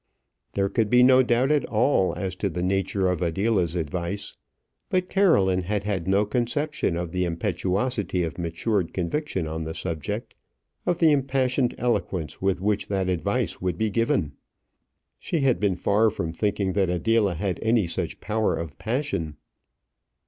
There could be no doubt at all as to the nature of Adela's advice; but Caroline had had no conception of the impetuosity of matured conviction on the subject, of the impassioned eloquence with which that advice would be given. She had been far from thinking that Adela had any such power of passion.